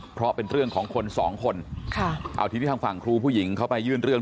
เพราะเป็นเรื่องของคนสองคนค่ะเอาทีนี้ทางฝั่งครูผู้หญิงเขาไปยื่นเรื่อง